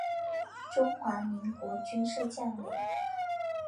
中华民国军事将领。